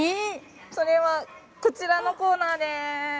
それはこちらのコーナーです